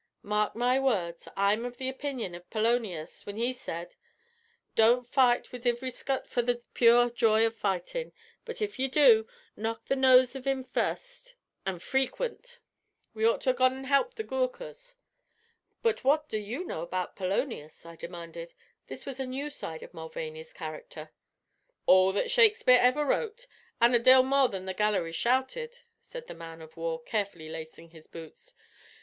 Mark my words. I am av the opinion av Polonius, whin he said: 'Don't fight wid ivry scut for the pure joy av fightin'; but if you do, knock the nose av him first an' frequint!' We ought to ha' gone on an' helped the Goorkhas." "But what do you know about Polonius?" I demanded. This was a new side of Mulvaney's character. "All that Shakespeare ever wrote, an' a dale more that the gallery shouted," said the man of war, carefully lacing his boots.